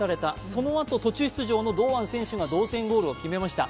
そのあと途中出場の堂安選手が同点ゴールを決めました。